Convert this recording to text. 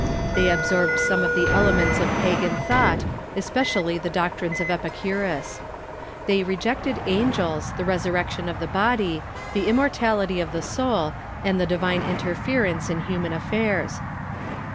They absorbed some of the elements of pagan thought, especially the doctrines of Epicurus. They rejected angels, the resurrection of the body, the immortality of the soul, and the divine interference in human affairs.